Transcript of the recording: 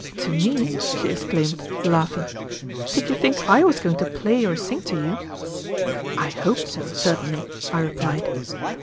"To me!" she exclaimed, laughing. "Did you think I was going to play or sing to you?" "I hoped so, certainly," I replied.